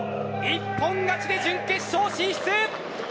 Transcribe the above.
一本勝ちで準決勝進出。